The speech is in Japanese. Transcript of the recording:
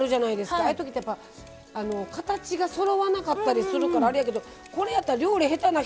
ああいうときって形がそろわなかったりするからあれやけどこれやったら料理下手な人